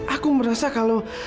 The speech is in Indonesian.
aku merasa kalau